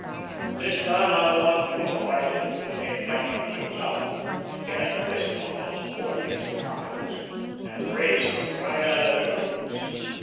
But this time I want to go right into it, head down and heels up, and get a twist on those Porteous buckoes, and raise 'em right out of their boots.